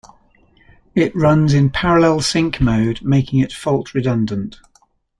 It runs in parallel sync mode making it fault redundant.